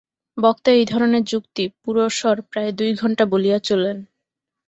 বক্তা এই ধরনের যুক্তি-পুরঃসর প্রায় দুই ঘণ্টা বলিয়া চলেন।